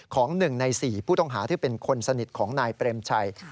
ของ๑ใน๔ผู้ต้องหาที่เป็นคนสนิทของนายเปรมชัย